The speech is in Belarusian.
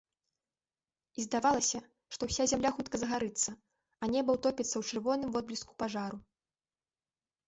І здавалася, што ўся зямля хутка загарыцца, а неба ўтопіцца ў чырвоным водбліску пажару.